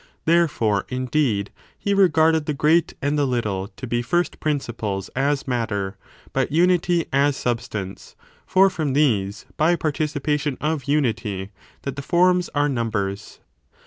Therefore, indeed, he regarded JiiJJ™compared the ereat and the little to be first principles as Jfi^h that of matter, but unity as substance ; for from these, by participation of unity, that the forms are numbers.